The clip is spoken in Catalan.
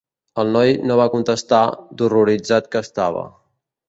El noi no va contestar, d'horroritzat que estava.